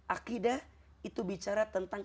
akidah itu bicara tentang